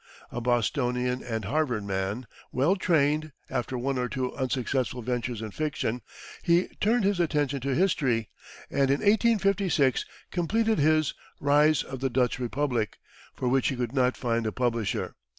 A Bostonian and Harvard man, well trained, after one or two unsuccessful ventures in fiction, he turned his attention to history, and in 1856 completed his "Rise of the Dutch Republic," for which he could not find a publisher.